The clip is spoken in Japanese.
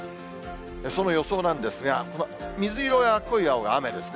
その予想なんですが、水色や濃い青が雨ですね。